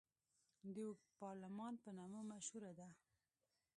د اوږد پارلمان په نامه مشهوره ده.